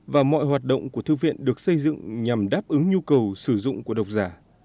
và mọi hoạt động của thư viện được xây dựng nhằm đáp ứng nhu cầu sử dụng của độc giả